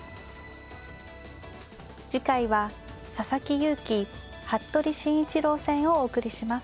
次回は佐々木勇気服部慎一郎戦をお送りします。